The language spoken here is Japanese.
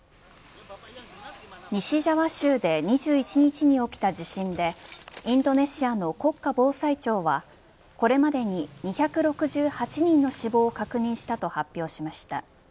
西ジャワ州で２１日に起きた地震でインドネシアの国家防災庁はこれまでに２６８人の死亡を確認したと発表しました。